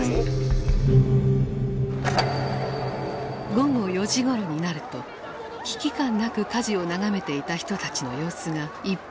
午後４時ごろになると危機感なく火事を眺めていた人たちの様子が一変していた。